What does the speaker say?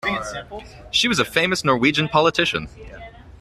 She was a famous Norwegian politician.